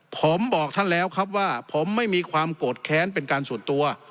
ผมบอกท่านแล้วครับว่าผมไม่มีความโกรธแค้นเป็นการส่วนตัว